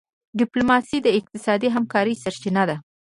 ډيپلوماسي د اقتصادي همکارۍ سرچینه ده.